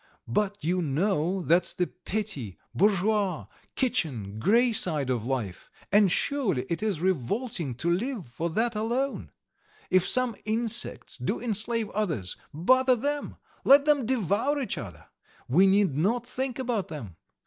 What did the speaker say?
But you know that's the petty, bourgeois, kitchen, grey side of life, and surely it is revolting to live for that alone? If some insects do enslave others, bother them, let them devour each other! We need not think about them.